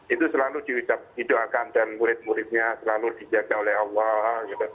itu selalu didoakan dan murid muridnya selalu dijaga oleh allah